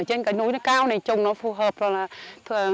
vì cây đào này hợp với khí hậu của thiên nhiên